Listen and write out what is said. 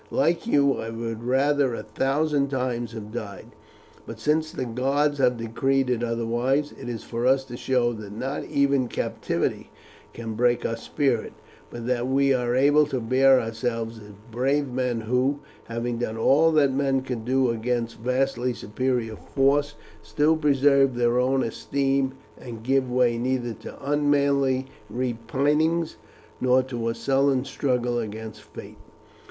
Like you, I would rather a thousand times have died; but since the gods have decreed it otherwise, it is for us to show that not even captivity can break our spirit, but that we are able to bear ourselves as brave men who, having done all that men could do against vastly superior force, still preserve their own esteem, and give way neither to unmanly repinings nor to a sullen struggle against fate.